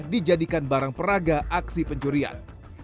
dijadikan barang peraga aksi pencurian